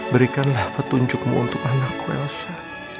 berikanlah petunjukmu untuk anakku elsa